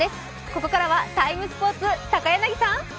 ここからは「ＴＩＭＥ，スポーツ」、高柳さん。